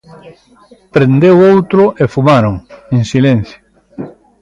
Prendeu outro e fumaron, en silencio.